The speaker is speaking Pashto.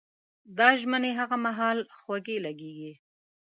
دا ژمنې هغه مهال خوږې لګېږي.